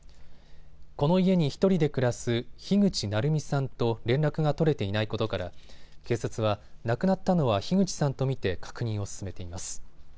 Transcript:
この家に１人で暮らす樋口ナルミさんと連絡が取れていないことから警察は亡くなったのは樋口さんと見て確認を進めています。